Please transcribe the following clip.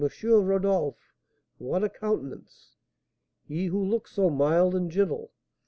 Rodolph, what a countenance! he who looked so mild and gentle!